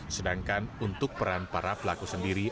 sedangkan untuk peran para pelaku sendiri